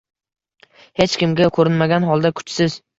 Hech kimga ko’rinmagan holda kuchsiz.